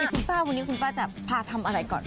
คุณป้าวันนี้คุณป้าจะพาทำอะไรก่อน